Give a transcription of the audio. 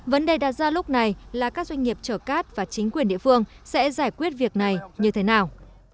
vấn đề đặt ra lúc này là các doanh nghiệp chở cát và chính quyền địa phương sẽ giải quyết việc này như thế nào